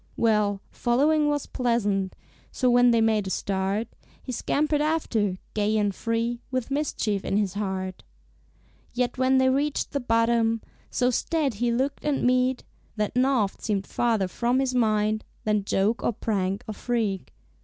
Well, following was pleasant, So, when they made a start, He scampered after, gay and free, With mischief in his heart. Yet when they reached the bottom, So staid he looked and meek, That naught seemed farther from his mind Than joke or prank or freak.